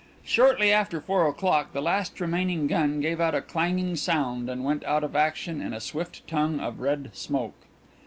Shortly after four o'clock the last remaining gun gave out a clanging sound, and went out of action in a swift tongue of red smoke.